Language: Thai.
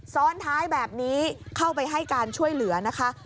ซ้อนท้ายแบบนี้เข้าไปให้การช่วยเหลือนะคะ